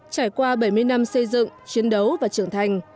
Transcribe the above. trải qua bảy mươi năm xây dựng chiến đấu và trưởng thành